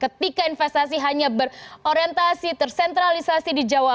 ketika investasi hanya berorientasi tersentralisasi di jawa